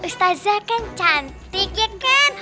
ustazah kan cantik ya kan